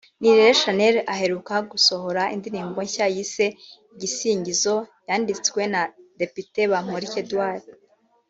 Nirere Shanel aheruka gusohora indirimbo nshya yise Igisingizo yanditswe na Depite Bamporiki Edouard